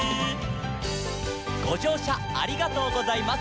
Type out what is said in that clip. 「ごじょうしゃありがとうございます」